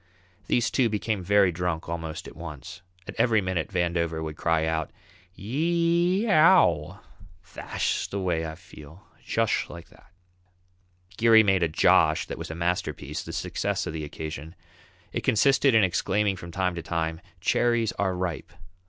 These two became very drunk almost at once. At every minute Vandover would cry out, "Yee ee ow! Thash way I feel, jush like that." Geary made a "Josh" that was a masterpiece, the success of the occasion. It consisted in exclaiming from time to time, "Cherries are ripe!"